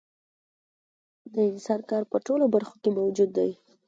د انسان کار په ټولو برخو کې موجود دی